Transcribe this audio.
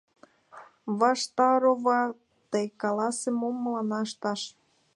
Ваштарова, тый каласе: мом мыланна ышташ?